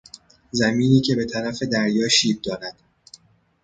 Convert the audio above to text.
زمینی که به طرف دریا شیب دارد